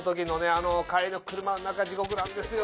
あの帰りの車の中地獄なんですよ